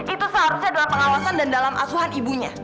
itu seharusnya adalah pengawasan dan dalam asuhan ibunya